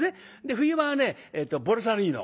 冬場はねボルサリーノ。